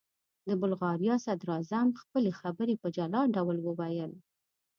د بلغاریا صدراعظم خپلې خبرې په جلا ډول وویل.